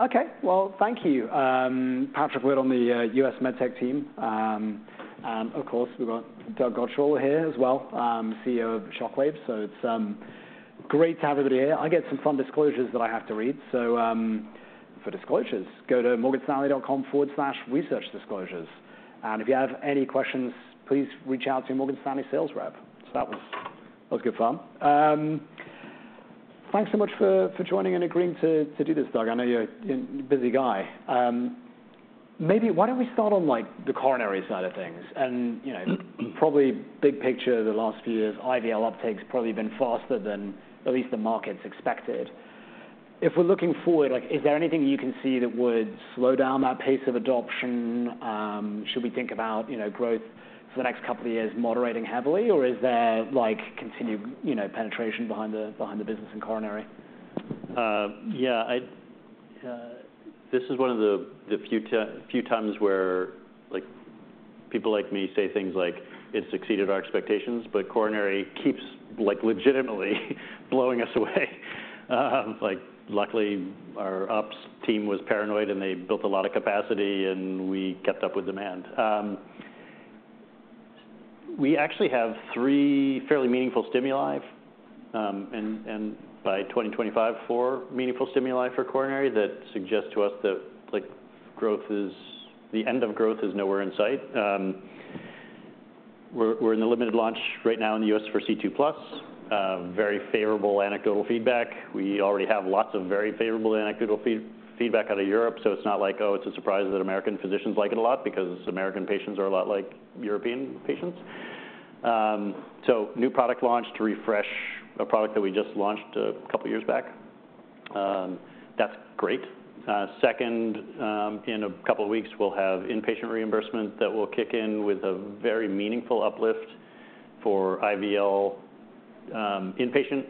Okay, well, thank you. Patrick Wood on the U.S. MedTech team. And of course, we've got Doug Godshall here as well, CEO of Shockwave. So it's great to have everybody here. I get some fun disclosures that I have to read. So, for disclosures, go to morganstanley.com/researchdisclosures. And if you have any questions, please reach out to your Morgan Stanley sales rep. So that was, that was good fun. Thanks so much for joining and agreeing to do this, Doug. I know you're a busy guy. Maybe why don't we start on, like, the coronary side of things? And, you know, probably big picture, the last few years, IVL uptake's probably been faster than at least the markets expected. If we're looking forward, like, is there anything you can see that would slow down that pace of adoption? Should we think about, you know, growth for the next couple of years moderating heavily, or is there, like, continued, you know, penetration behind the business and coronary? Yeah, I, this is one of the few times where, like, people like me say things like, "It's exceeded our expectations," but coronary keeps, like, legitimately blowing us away. Like, luckily, our ops team was paranoid, and they built a lot of capacity, and we kept up with demand. We actually have three fairly meaningful stimuli, and, and by 2025, four meaningful stimuli for coronary. That suggests to us that, like, growth is the end of growth is nowhere in sight. We're in a limited launch right now in the U.S. for C2+. Very favorable anecdotal feedback. We already have lots of very favorable anecdotal feedback out of Europe, so it's not like, oh, it's a surprise that American physicians like it a lot because American patients are a lot like European patients. So new product launch to refresh a product that we just launched a couple of years back. That's great. Second, in a couple of weeks, we'll have inpatient reimbursement that will kick in with a very meaningful uplift for IVL inpatient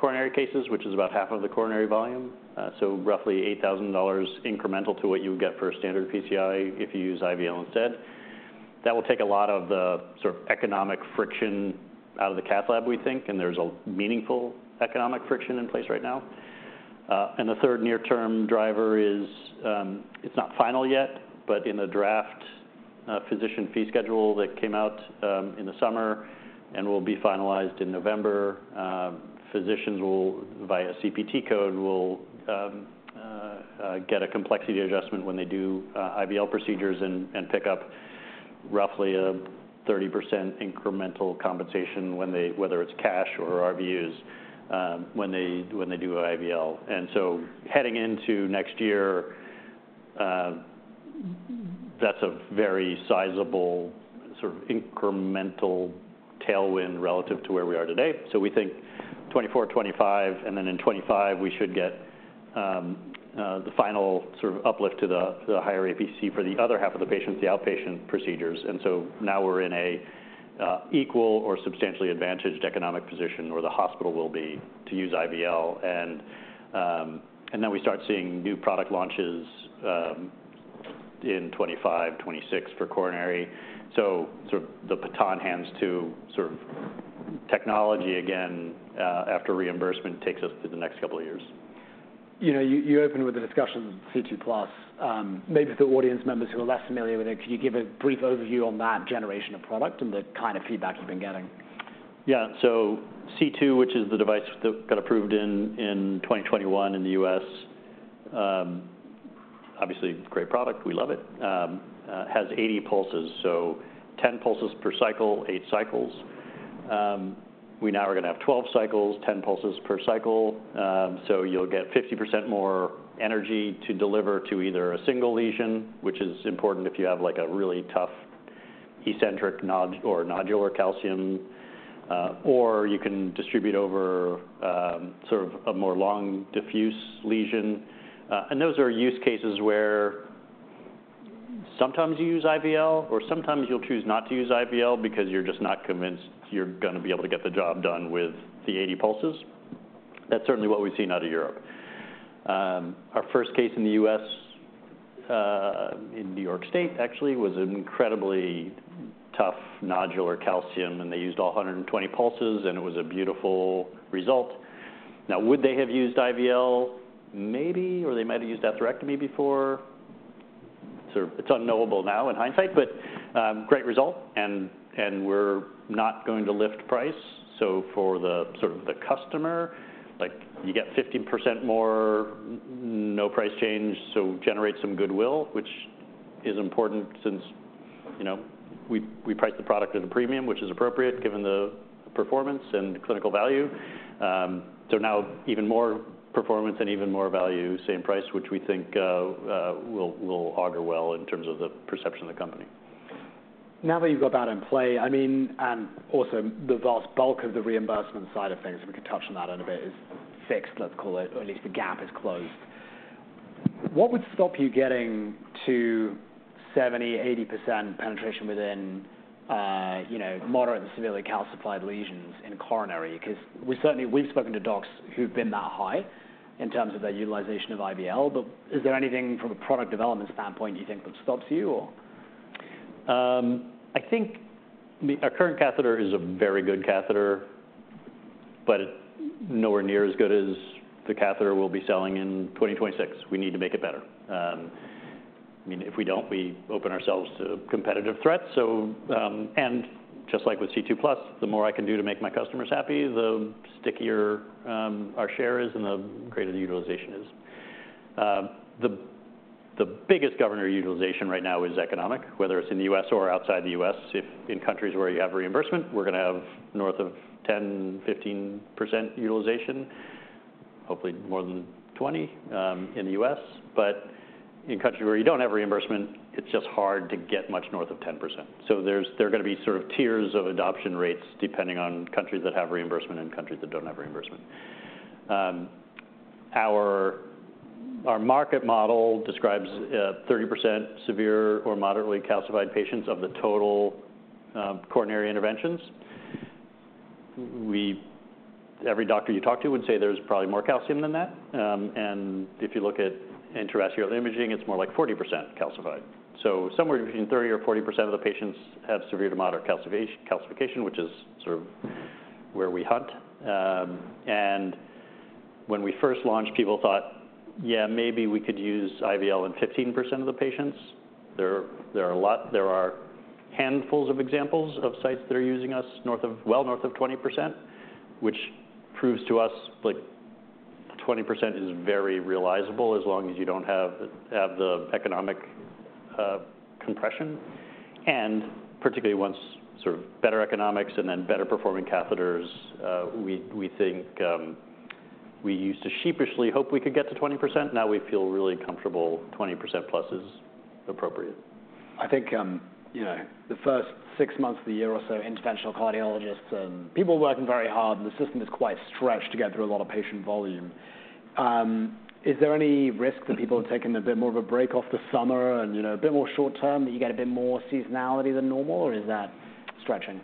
coronary cases, which is about half of the coronary volume. So roughly $8,000 incremental to what you would get for a standard PCI if you use IVL instead. That will take a lot of the sort of economic friction out of the cath lab, we think, and there's a meaningful economic friction in place right now. And the third near-term driver is... It's not final yet, but in a draft physician fee schedule that came out in the summer and will be finalized in November, physicians will, via CPT code, get a complexity adjustment when they do IVL procedures and pick up roughly a 30% incremental compensation when they—whether it's cash or RVUs, when they do IVL. And so heading into next year, that's a very sizable, sort of incremental tailwind relative to where we are today. So we think 2024, 2025, and then in 2025, we should get the final sort of uplift to the higher APC for the other half of the patients, the outpatient procedures. And so now we're in a equal or substantially advantaged economic position where the hospital will be, to use IVL, and, and then we start seeing new product launches, in 2025, 2026 for coronary. So sort of the baton hands to sort of technology again, after reimbursement takes us through the next couple of years. You know, you opened with a discussion of C2+. Maybe for the audience members who are less familiar with it, can you give a brief overview on that generation of product and the kind of feedback you've been getting? Yeah. So C2, which is the device that got approved in 2021 in the U.S., obviously great product, we love it, has 80 pulses, so 10 pulses per cycle, eight cycles. We now are going to have 12 cycles, 10 pulses per cycle, so you'll get 50% more energy to deliver to either a single lesion, which is important if you have, like, a really tough eccentric nod or nodular calcium, or you can distribute over, sort of a more long, diffuse lesion. And those are use cases where sometimes you use IVL, or sometimes you'll choose not to use IVL because you're just not convinced you're going to be able to get the job done with the 80 pulses. That's certainly what we've seen out of Europe. Our first case in the U.S., in New York State, actually, was an incredibly tough nodular calcium, and they used all 120 pulses, and it was a beautiful result. Now, would they have used IVL? Maybe, or they might have used atherectomy before. So it's unknowable now in hindsight, but great result, and we're not going to lift price. So for the sort of the customer, like, you get 50% more, no price change, so generate some goodwill, which is important since, you know, we price the product at a premium, which is appropriate given the performance and clinical value. So now even more performance and even more value, same price, which we think will augur well in terms of the perception of the company. Now that you've got that in play, I mean, and also the vast bulk of the reimbursement side of things, we can touch on that in a bit, is fixed, let's call it, or at least the gap is closed. What would stop you getting to 70%-80% penetration within, you know, moderate to severely calcified lesions in coronary? Because we certainly, we've spoken to docs who've been that high in terms of their utilization of IVL, but is there anything from a product development standpoint you think that stops you or? I think the, our current catheter is a very good catheter, but nowhere near as good as the catheter we'll be selling in 2026. We need to make it better. I mean, if we don't, we open ourselves to competitive threats. Just like with C2+, the more I can do to make my customers happy, the stickier our share is and the greater the utilization is. The biggest governor utilization right now is economic, whether it's in the U.S. or outside the U.S. If in countries where you have reimbursement, we're going to have north of 10%, 15% utilization, hopefully more than 20% in the U.S. In countries where you don't have reimbursement, it's just hard to get much north of 10%. So there are going to be sort of tiers of adoption rates, depending on countries that have reimbursement and countries that don't have reimbursement. Our market model describes 30% severe or moderately calcified patients of the total coronary interventions. Every doctor you talk to would say there's probably more calcium than that. And if you look at intravascular imaging, it's more like 40% calcified. So somewhere between 30% or 40% of the patients have severe to moderate calcification, which is sort of where we hunt. And when we first launched, people thought, "Yeah, maybe we could use IVL in 15% of the patients." There are handfuls of examples of sites that are using us north of... Well, north of 20%, which proves to us, like, 20% is very realizable as long as you don't have the economic compression. And particularly once sort of better economics and then better performing catheters, we think we used to sheepishly hope we could get to 20%. Now we feel really comfortable 20% plus is appropriate. I think, you know, the first six months of the year or so, interventional cardiologists and people are working very hard, and the system is quite stretched to get through a lot of patient volume. Is there any risk that people are taking a bit more of a break off the summer and, you know, a bit more short term, that you get a bit more seasonality than normal, or is that stretching?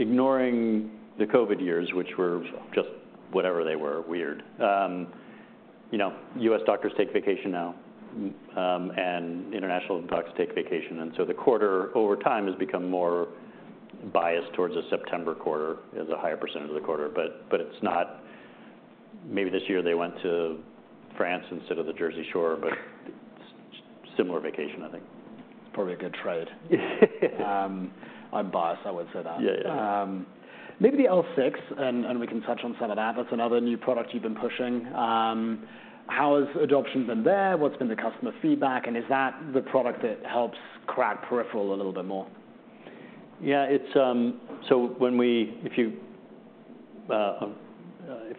Ignoring the COVID years, which were just whatever they were, weird. You know, U.S. doctors take vacation now, and international doctors take vacation, and so the quarter over time has become more biased towards a September quarter as a higher percentage of the quarter. But, but it's not... Maybe this year they went to France instead of the Jersey Shore, but similar vacation, I think. Probably a good trade. I'm biased, I would say that. Yeah, yeah. Maybe the L6, and we can touch on some of that. That's another new product you've been pushing. How has adoption been there? What's been the customer feedback, and is that the product that helps crack peripheral a little bit more? Yeah, it's. So when we—if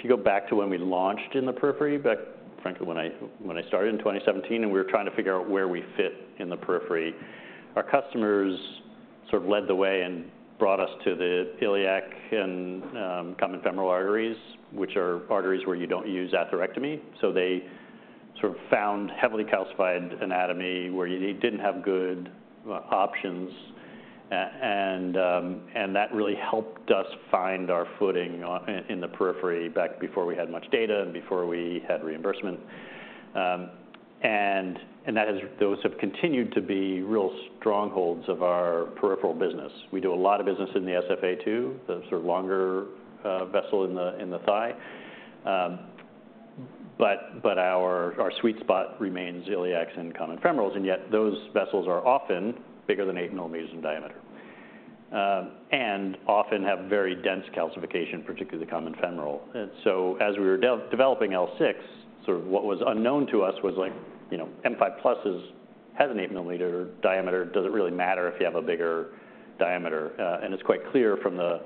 you go back to when we launched in the periphery, back, frankly, when I started in 2017, and we were trying to figure out where we fit in the periphery, our customers sort of led the way and brought us to the iliac and common femoral arteries, which are arteries where you don't use atherectomy. So they sort of found heavily calcified anatomy where you didn't have good options, and that really helped us find our footing in the periphery back before we had much data and before we had reimbursement. And those have continued to be real strongholds of our peripheral business. We do a lot of business in the SFA too, the sort of longer vessel in the thigh. But our sweet spot remains iliacs and common femorals, and yet those vessels are often bigger than 8 millimeters in diameter, and often have very dense calcification, particularly the common femoral. And so as we were developing L6, sort of what was unknown to us was like, you know, M5+ has an 8-millimeter diameter. Does it really matter if you have a bigger diameter? And it's quite clear from the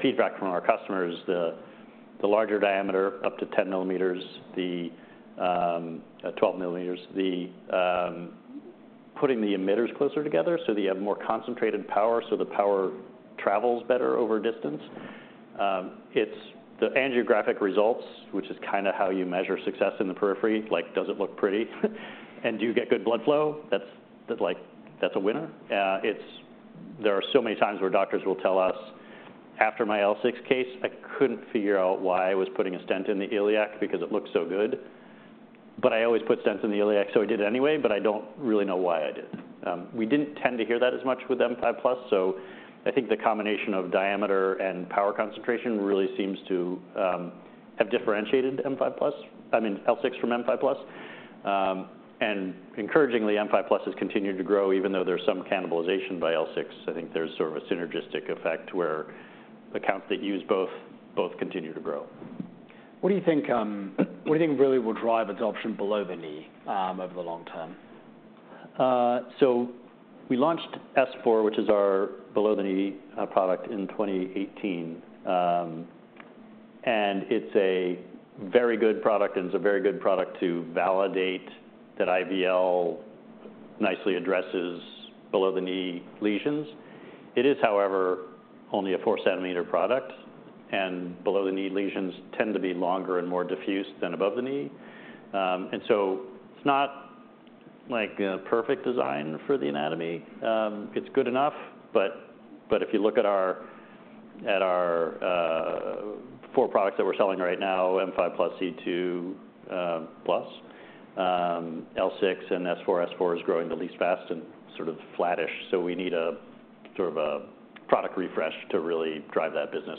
feedback from our customers, the larger diameter, up to 10 millimeters, 12 millimeters, putting the emitters closer together so that you have more concentrated power, so the power travels better over distance. It's the angiographic results, which is kind of how you measure success in the periphery. Like, does it look pretty? And do you get good blood flow? That's like, that's a winner. There are so many times where doctors will tell us, "After my L6 case, I couldn't figure out why I was putting a stent in the iliac because it looked so good, but I always put stents in the iliac, so I did it anyway, but I don't really know why I did." We didn't tend to hear that as much with M5+. So I think the combination of diameter and power concentration really seems to have differentiated M5+, I mean, L6 from M5+. And encouragingly, M5+ has continued to grow, even though there's some cannibalization by L6. I think there's sort of a synergistic effect where accounts that use both, both continue to grow. What do you think, what do you think really will drive adoption below the knee, over the long term? So we launched S4, which is our below-the-knee product in 2018. And it's a very good product, and it's a very good product to validate that IVL nicely addresses below-the-knee lesions. It is, however, only a 4-centimeter product, and below-the-knee lesions tend to be longer and more diffuse than above the knee. And so it's not like a perfect design for the anatomy. It's good enough, but if you look at our four products that we're selling right now, M5+, C2+, L6 and S4. S4 is growing the least fast and sort of flattish, so we need a sort of a product refresh to really drive that business.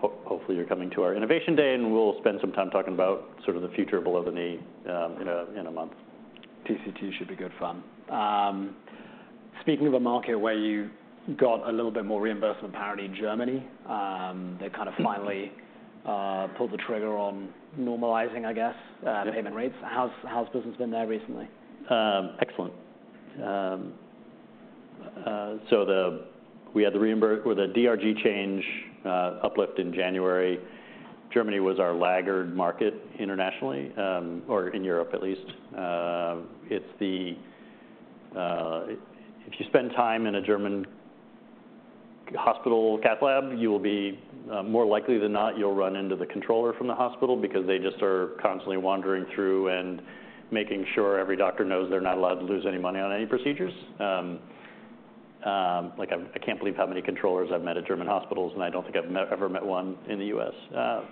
Hopefully, you're coming to our Innovation Day, and we'll spend some time talking about sort of the future below the knee in a month. TCT should be good fun. Speaking of a market where you got a little bit more reimbursement, apparently in Germany, they kind of finally- Mm-hmm Pulled the trigger on normalizing, I guess. Yeah -payment rates. How's business been there recently? Excellent. So the-- we had the reimbur-- with the DRG change, uplift in January, Germany was our laggard market internationally, or in Europe at least. It's the, if you spend time in a German hospital cath lab, you will be, more likely than not, you'll run into the controller from the hospital because they just are constantly wandering through and making sure every doctor knows they're not allowed to lose any money on any procedures. Like, I can't believe how many controllers I've met at German hospitals, and I don't think I've ever met one in the U.S.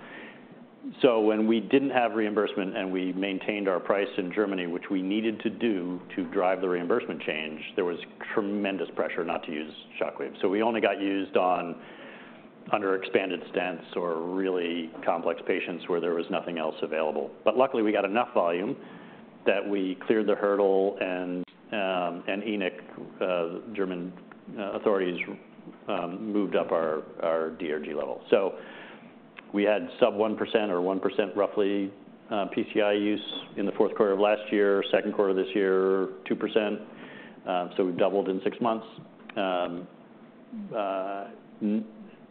So when we didn't have reimbursement, and we maintained our price in Germany, which we needed to do to drive the reimbursement change, there was tremendous pressure not to use Shockwave. So we only got used on under expanded stents or really complex patients where there was nothing else available. But luckily, we got enough volume that we cleared the hurdle and, and InEK German authorities moved up our DRG level. So we had sub 1% or 1% roughly PCI use in the Q4 of last year, Q2 this year, 2%. So we've doubled in six months.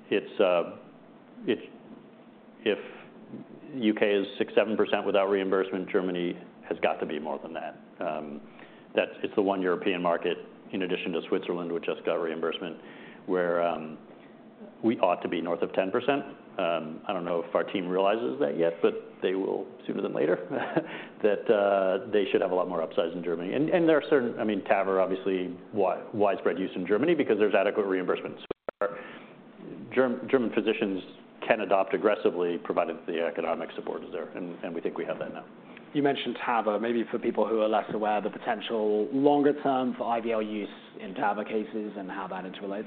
It's... If UK is 6%-7% without reimbursement, Germany has got to be more than that. That's- it's the one European market, in addition to Switzerland, which just got reimbursement, where we ought to be north of 10%. I don't know if our team realizes that yet, but they will sooner than later, that they should have a lot more upsides in Germany. And, I mean, TAVR obviously widespread use in Germany because there's adequate reimbursement, where German physicians can adopt aggressively, provided the economic support is there, and we think we have that now. You mentioned TAVR, maybe for people who are less aware, the potential longer term for IVL use in TAVR cases and how that interrelates.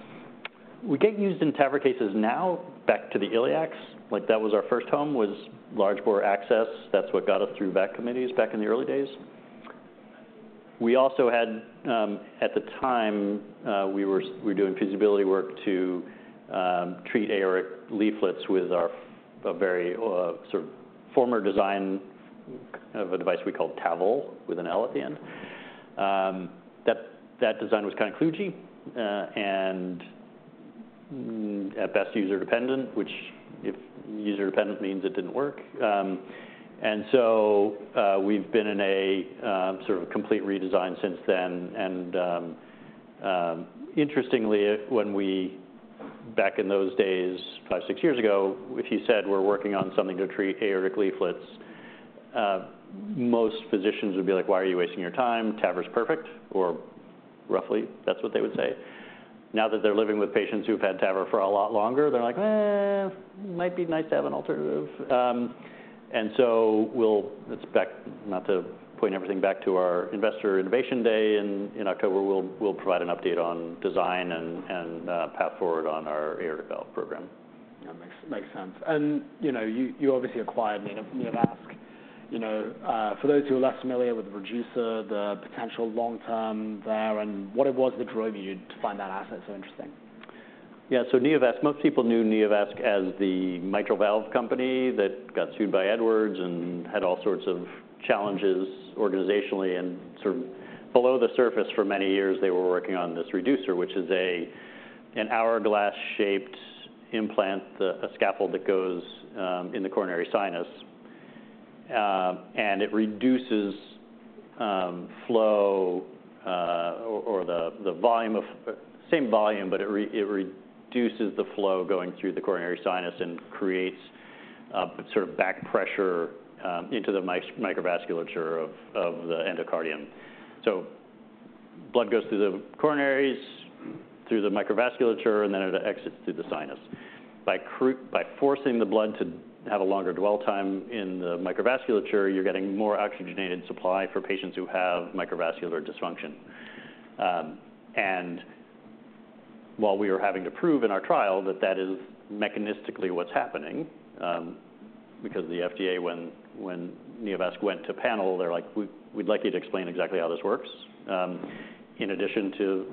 We get used in TAVR cases now, back to the iliacs. Like, that was our first home, was large-bore access. That's what got us through VAC committees back in the early days. We also had... At the time, we were doing feasibility work to treat aortic leaflets with our, a very, sort of former design of a device we called TAVL, with an L at the end. That design was kind of kludgy, and at best, user-dependent, which if user-dependent means it didn't work. And so, we've been in a sort of complete redesign since then. Interestingly, when we, back in those days, five-six years ago, if you said we're working on something to treat aortic leaflets, most physicians would be like: "Why are you wasting your time? TAVR is perfect," or roughly, that's what they would say. Now that they're living with patients who've had TAVR for a lot longer, they're like, "might be nice to have an alternative." And so we'll expect... not to point everything back to our Investor Innovation Day in October, we'll provide an update on design and path forward on our aortic valve program. That makes sense. And, you know, you obviously acquired. You know, for those who are less familiar with the Reducer, the potential long-term there, and what it was that drove you to find that asset so interesting? Yeah, Neovasc, most people knew Neovasc as the mitral valve company that got sued by Edwards and had all sorts of challenges organizationally. Sort of below the surface for many years, they were working on this Reducer, which is an hourglass-shaped implant, a scaffold that goes in the coronary sinus, and it reduces flow, or the volume of—same volume, but it reduces the flow going through the coronary sinus and creates sort of back pressure into the microvasculature of the endocardium. So blood goes through the coronaries, through the microvasculature, and then it exits through the sinus. By forcing the blood to have a longer dwell time in the microvasculature, you're getting more oxygenated supply for patients who have microvascular dysfunction. And while we were having to prove in our trial that that is mechanistically what's happening, because the FDA, when Neovasc went to panel, they're like: "We'd like you to explain exactly how this works, in addition to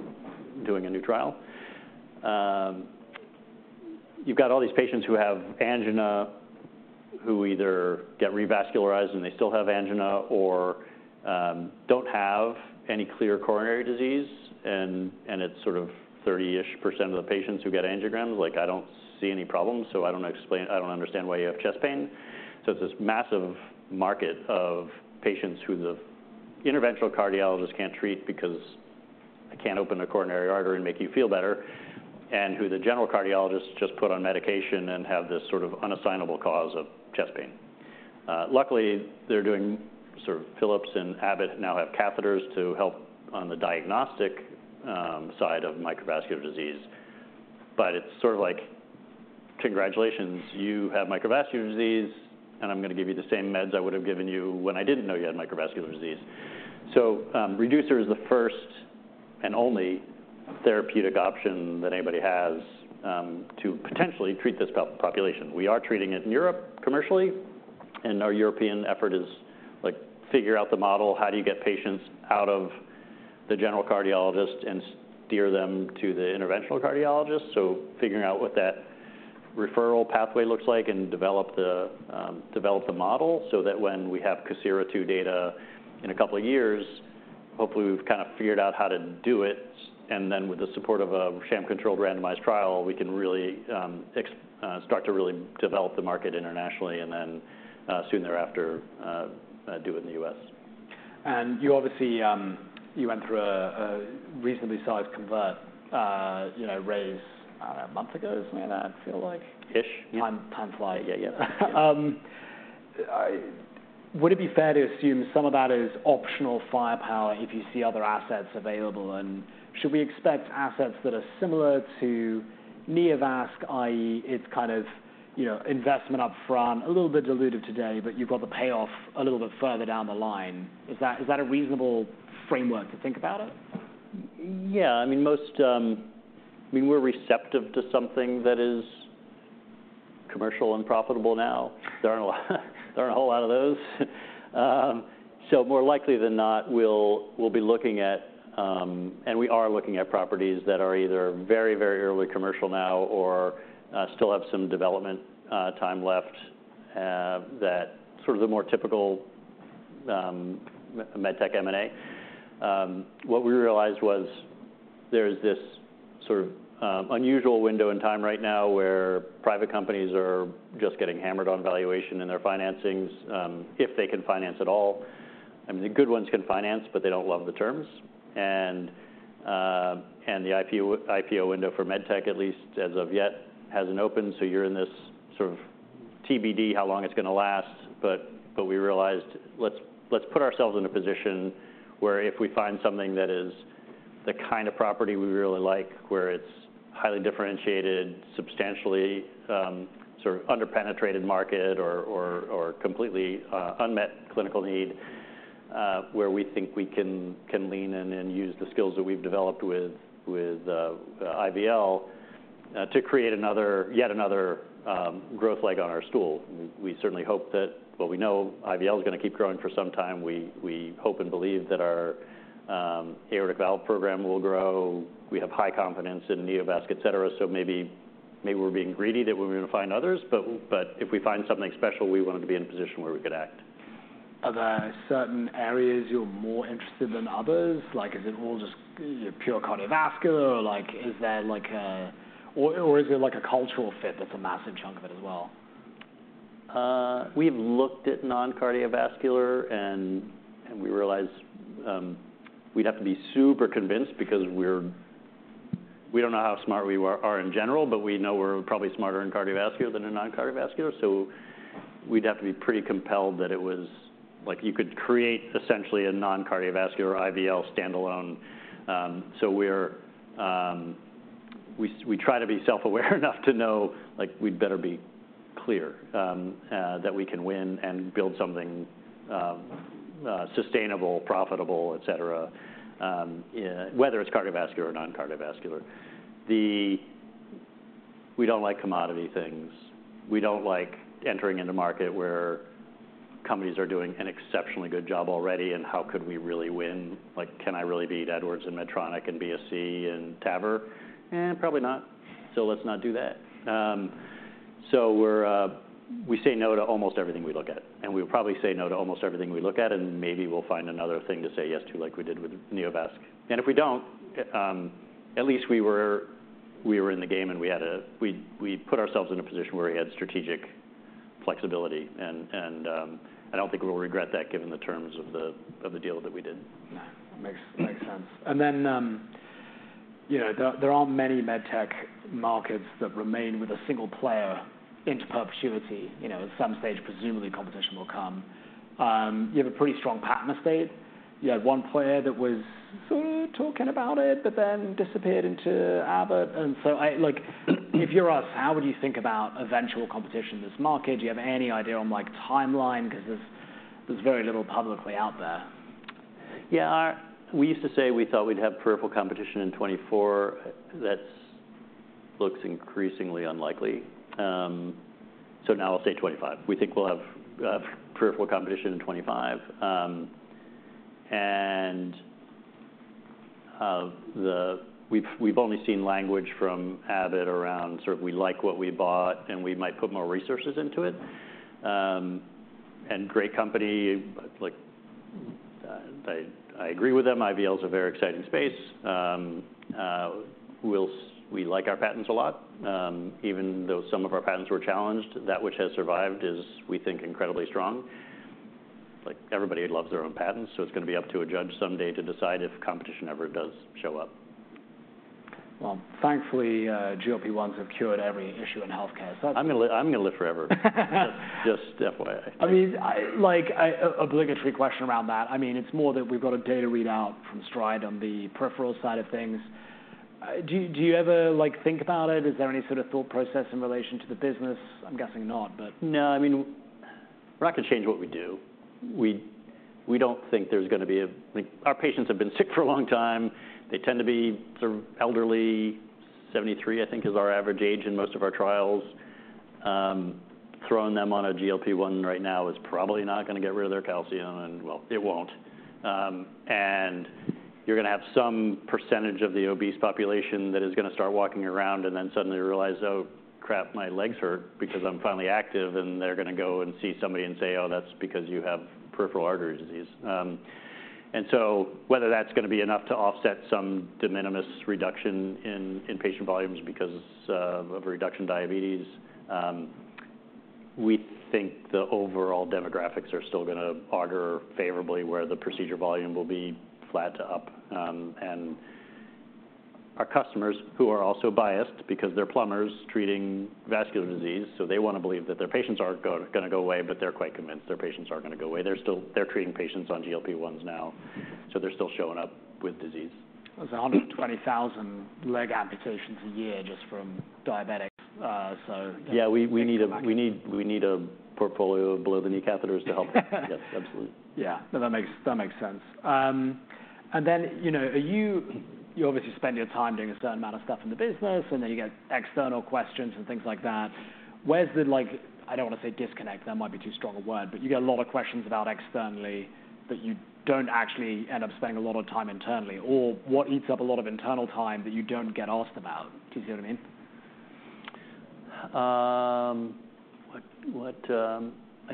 doing a new trial." You've got all these patients who have angina, who either get revascularized, and they still have angina or don't have any clear coronary disease, and it's sort of 30-ish% of the patients who get angiograms, like, I don't see any problems, so I don't explain—I don't understand why you have chest pain. So it's this massive market of patients who the interventional cardiologist can't treat because I can't open a coronary artery and make you feel better, and who the general cardiologist just put on medication and have this sort of unassignable cause of chest pain.... Luckily, they're doing sort of Philips and Abbott now have catheters to help on the diagnostic side of microvascular disease. But it's sort of like, congratulations, you have microvascular disease, and I'm gonna give you the same meds I would have given you when I didn't know you had microvascular disease. So, Reducer is the first and only therapeutic option that anybody has to potentially treat this population. We are treating it in Europe commercially, and our European effort is like, figure out the model, how do you get patients out of the general cardiologist and steer them to the interventional cardiologist? So figuring out what that referral pathway looks like and develop the model, so that when we have COSIRA-II data in a couple of years, hopefully, we've kinda figured out how to do it. And then with the support of a sham-controlled randomized trial, we can really start to really develop the market internationally, and then do it in the U.S. You obviously went through a reasonably sized convert, you know, raise, I don't know, a month ago, isn't it, I feel like? Ish, yeah. Time flies. Yeah, yeah. I would it be fair to assume some of that is optional firepower if you see other assets available? And should we expect assets that are similar to Neovasc, i.e., it's kind of, you know, investment up front, a little bit dilutive today, but you've got the payoff a little bit further down the line. Is that a reasonable framework to think about it? Yeah, I mean, most, I mean, we're receptive to something that is commercial and profitable now. There aren't a whole, there aren't a whole lot of those. So more likely than not, we'll, we'll be looking at, and we are looking at properties that are either very, very early commercial now or, still have some development, time left, that sort of the more typical, MedTech M&A. What we realized was there's this sort of, unusual window in time right now, where private companies are just getting hammered on valuation in their financings, if they can finance at all. I mean, the good ones can finance, but they don't love the terms. And, and the IPO, IPO window for MedTech, at least as of yet, hasn't opened, so you're in this sort of TBD, how long it's gonna last. But we realized, let's put ourselves in a position where if we find something that is the kind of property we really like, where it's highly differentiated, substantially sort of under-penetrated market or completely unmet clinical need, where we think we can lean in and use the skills that we've developed with IVL to create yet another growth leg on our stool. We certainly hope that... Well, we know IVL is gonna keep growing for some time. We hope and believe that our aortic valve program will grow. We have high confidence in Neovasc, et cetera, so maybe we're being greedy that we're gonna find others, but if we find something special, we wanted to be in a position where we could act. Are there certain areas you're more interested than others? Like, is it all just pure cardiovascular, or like, is there like a... Or, is it like a cultural fit that's a massive chunk of it as well? We've looked at non-cardiovascular, and we realized we'd have to be super convinced because we're - we don't know how smart we are in general, but we know we're probably smarter in cardiovascular than in non-cardiovascular. We'd have to be pretty compelled that it was, like, you could create essentially a non-cardiovascular IVL standalone. We try to be self-aware enough to know, like, we'd better be clear that we can win and build something sustainable, profitable, et cetera, whether it's cardiovascular or non-cardiovascular. We don't like commodity things. We don't like entering in the market where companies are doing an exceptionally good job already, and how could we really win? Like, can I really beat Edwards and Medtronic and BSC and TAVR? Eh, probably not. Let's not do that. So we're, we say no to almost everything we look at, and we probably say no to almost everything we look at, and maybe we'll find another thing to say yes to, like we did with Neovasc. And if we don't, at least we were in the game, and we put ourselves in a position where we had strategic flexibility. And I don't think we'll regret that, given the terms of the deal that we did. Nah, makes, makes sense. And then, you know, there, there aren't many MedTech markets that remain with a single player into perpetuity. You know, at some stage, presumably, competition will come. You have a pretty strong patent estate. You had one player that was sort of talking about it but then disappeared into Abbott. And so I, like, if you're us, how would you think about eventual competition in this market? Do you have any idea on, like, timeline? Because there's, there's very little publicly out there. Yeah, we used to say we thought we'd have peripheral competition in 2024. That looks increasingly unlikely. So now I'll say 2025. We think we'll have peripheral competition in 2025. And the, we've only seen language from Abbott around sort of, we like what we bought, and we might put more resources into it. And great company, like, I agree with them. IVL is a very exciting space. We'll, we like our patents a lot. Even though some of our patents were challenged, that which has survived is, we think, incredibly strong. Like, everybody loves their own patents, so it's gonna be up to a judge someday to decide if competition ever does show up. ... Well, thankfully, GLP-1s have cured every issue in healthcare, so- I'm gonna live forever. Just, just FYI. I mean, like, obligatory question around that. I mean, it's more that we've got a data readout from STRIDE on the peripheral side of things. Do you ever, like, think about it? Is there any sort of thought process in relation to the business? I'm guessing not, but- No, I mean, we're not gonna change what we do. We, we don't think there's gonna be. Like, our patients have been sick for a long time. They tend to be sort of elderly. 73, I think, is our average age in most of our trials. Throwing them on a GLP-1 right now is probably not gonna get rid of their calcium, and, well, it won't. and you're gonna have some percentage of the obese population that is gonna start walking around and then suddenly realize, "Oh, crap, my legs hurt because I'm finally active," and they're gonna go and see somebody and say, "Oh, that's because you have peripheral artery disease." and so whether that's gonna be enough to offset some de minimis reduction in patient volumes because of a reduction in diabetes, we think the overall demographics are still gonna augur favorably, where the procedure volume will be flat to up. and our customers, who are also biased because they're plumbers treating vascular disease, so they wanna believe that their patients aren't gonna go away, but they're quite convinced their patients are gonna go away. They're treating patients on GLP-1s now, so they're still showing up with disease. There's 120,000 leg amputations a year just from diabetics, so- Yeah, we need a portfolio of below-the-knee catheters to help. Yes, absolutely. Yeah, no, that makes sense. Then, you know, you obviously spend your time doing a certain amount of stuff in the business, and then you get external questions and things like that. Where's the, like, I don't wanna say disconnect, that might be too strong a word, but you get a lot of questions about externally that you don't actually end up spending a lot of time internally, or what eats up a lot of internal time that you don't get asked about? Do you see what I mean? I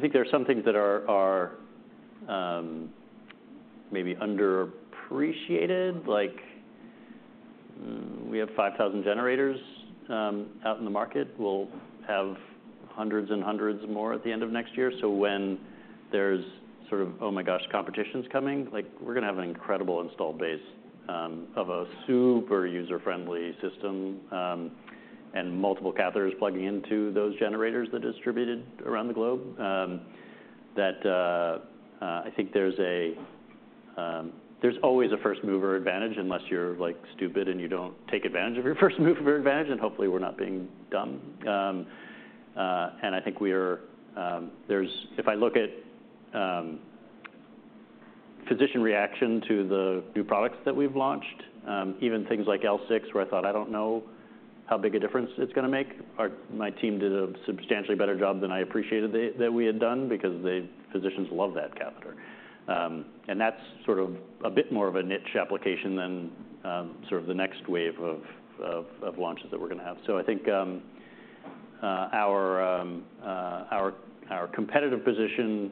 think there are some things that are maybe underappreciated. Like, we have 5,000 generators out in the market. We'll have hundreds and hundreds more at the end of next year. So when there's sort of, "Oh, my gosh, competition's coming," like, we're gonna have an incredible install base of a super user-friendly system and multiple catheters plugging into those generators that are distributed around the globe. I think there's always a first-mover advantage, unless you're, like, stupid and you don't take advantage of your first-mover advantage, and hopefully we're not being dumb. And I think we are. If I look at physician reaction to the new products that we've launched, even things like L6, where I thought, "I don't know how big a difference it's gonna make," my team did a substantially better job than I appreciated that we had done because the physicians love that catheter. And that's sort of a bit more of a niche application than sort of the next wave of launches that we're gonna have. So I think our competitive position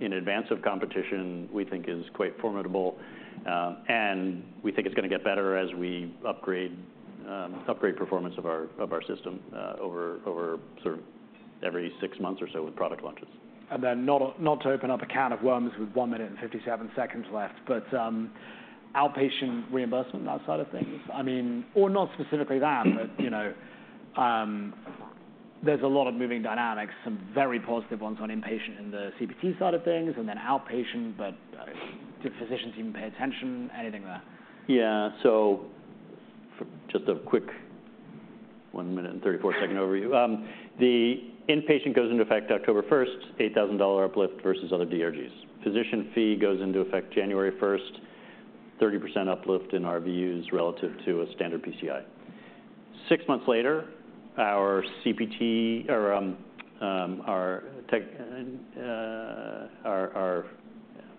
in advance of competition, we think is quite formidable, and we think it's gonna get better as we upgrade performance of our system over sort of every six months or so with product launches. And then not, not to open up a can of worms with 1 minute and 57 seconds left, but, outpatient reimbursement on that side of things, I mean... Or not specifically that-... but, you know, there's a lot of moving dynamics, some very positive ones on inpatient in the CPT side of things and then outpatient, but, do physicians even pay attention? Anything there. Yeah, so for just a quick 1 minute and 34 second overview. The inpatient goes into effect October 1st, $8,000 uplift versus other DRGs. Physician fee goes into effect January 1st, 30% uplift in RVUs relative to a standard PCI. Six months later, our tech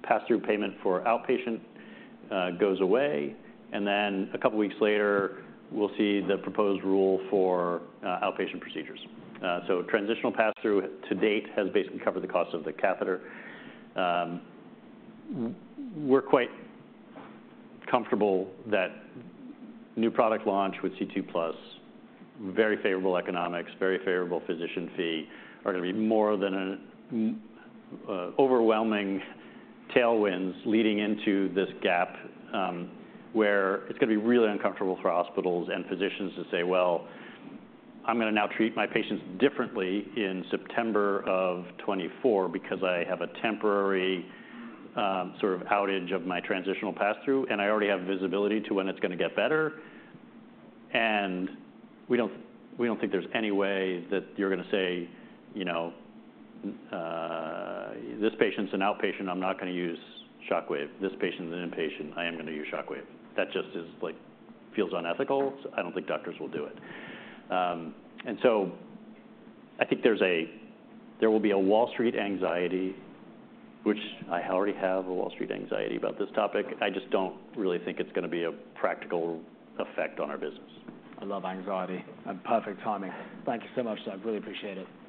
pass-through payment for outpatient goes away, and then a couple of weeks later, we'll see the proposed rule for outpatient procedures. So a transitional pass-through to date has basically covered the cost of the catheter. We're quite comfortable that new product launch with C2+, very favorable economics, very favorable physician fee, are gonna be more than a overwhelming tailwinds leading into this gap, where it's gonna be really uncomfortable for hospitals and physicians to say: Well, I'm gonna now treat my patients differently in September of 2024 because I have a temporary, sort of outage of my transitional pass-through, and I already have visibility to when it's gonna get better. And we don't, we don't think there's any way that you're gonna say, "You know, this patient's an outpatient, I'm not gonna use Shockwave. This patient's an inpatient, I am gonna use Shockwave." That just is, like, feels unethical, so I don't think doctors will do it. And so I think there will be a Wall Street anxiety, which I already have a Wall Street anxiety about this topic. I just don't really think it's gonna be a practical effect on our business. I love anxiety and perfect timing. Thank you so much, sir. I really appreciate it. See you.